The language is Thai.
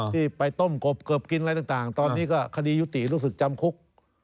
ที่ไปต้มกบเกือบกินอะไรต่างตอนนี้ก็คดียุติรู้สึกจำคุก